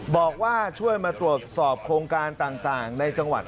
บอกว่าช่วยมาตรวจสอบโครงการต่างในจังหวัด